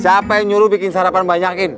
siapa yang nyuruh bikin sarapan banyakin